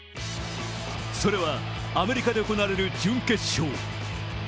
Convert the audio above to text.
それはアメリカで行われる準決勝。